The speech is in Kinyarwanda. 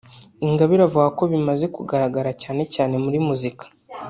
Ingabire avuga ko bimaze kugaragara cyane cyane muri muzika